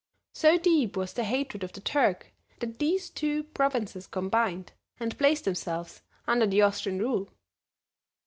So deep was their hatred of the Turk that these two provinces combined and placed themselves under the Austrian rule.